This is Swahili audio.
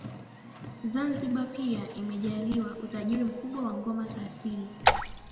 Zanzibar pia imejaaliwa utajiri mkubwa wa ngoma za asili